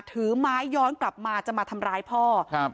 ถือไม้ย้อนกลับมาจะมาทำร้ายพ่อครับ